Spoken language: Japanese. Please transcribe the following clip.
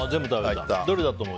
どれだと思う？